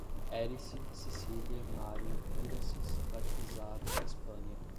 Érice, Sicília, Mário, Híraces, latinizado, Hispânia